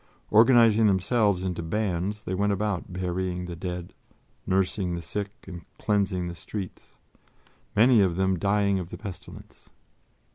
Organizing themselves into bands, they went about burying the dead, nursing the sick and cleansing the streets, many of them dying of the pestilence.